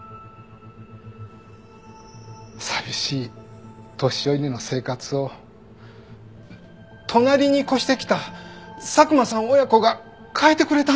寂しい年寄りの生活を隣に越してきた佐久間さん親子が変えてくれたんです。